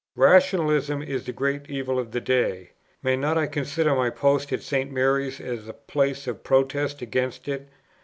Rationalism is the great evil of the day. May not I consider my post at St. Mary's as a place of protest against it?